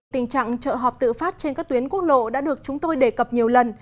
tình trạng trợ họp tự phát trên các tuyến quốc lộ đã được chúng tôi đề cập nhiều lần